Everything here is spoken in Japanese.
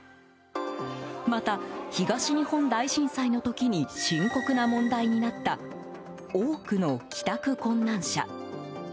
また東日本大震災の時に深刻な問題になった多くの帰宅困難者。